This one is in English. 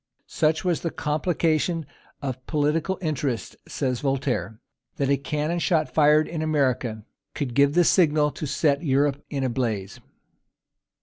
"Such was the complication of political interests," says Voltaire, "that a cannon shot fired in America could give the signal that set Europe in a blaze."